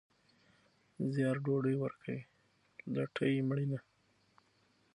زیار ډوډۍ ورکوي، لټي مړینه.